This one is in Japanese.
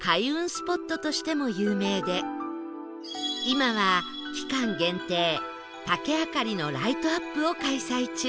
スポットとしても有名で今は期間限定竹あかりのライトアップを開催中